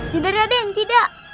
tidak raden tidak